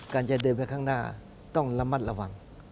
จะเดินไปข้างหน้าต้องระมัดระวัง